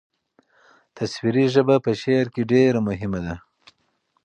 تصویري ژبه په شعر کې ډېره مهمه ده.